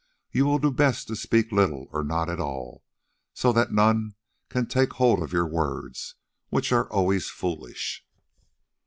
You will do best to speak little or not at all, so that none can take hold of your words, which are always foolish."